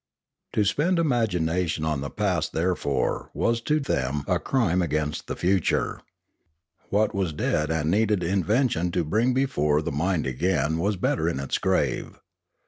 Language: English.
To spend imagination on the past, therefore, was to them a crime against the future. What was dead and needed invention to bring before the mind again was better in its grave.